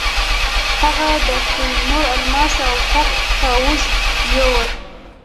هغه د کوه نور الماس او تخت طاووس یووړ.